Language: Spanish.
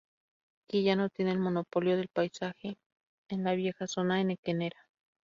Ki ya no tiene el monopolio del paisaje en la vieja zona henequenera.